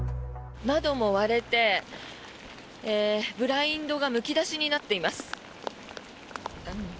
窓も割れて、ブラインドがむき出しになっています。